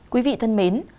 quý vị thân mến